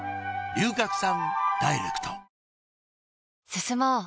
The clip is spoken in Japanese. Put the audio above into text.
進もう。